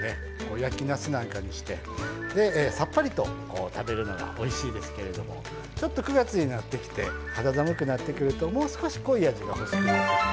焼きなすなんかにしてでさっぱりとこう食べるのがおいしいですけれどもちょっと９月になってきて肌寒くなってくるともう少し濃い味が欲しくなって。